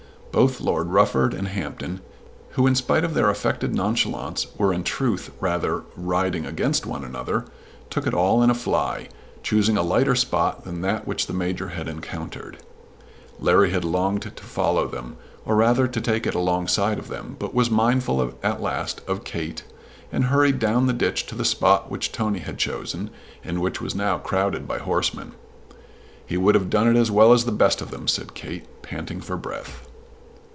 Both Lord Rufford and Hampton, who in spite of their affected nonchalance were in truth rather riding against one another, took it all in a fly, choosing a lighter spot than that which the Major had encountered. Larry had longed to follow them, or rather to take it alongside of them, but was mindful at last of Kate and hurried down the ditch to the spot which Tony had chosen and which was now crowded by horsemen. "He would have done it as well as the best of them," said Kate, panting for breath.